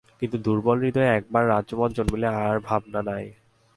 কিন্তু দুর্বল হৃদয়ে একবার রাজ্যমদ জন্মিলে আর ভাবনা নাই।